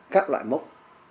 các loại mốc